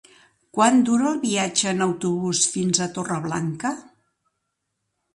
Quant dura el viatge en autobús fins a Torreblanca?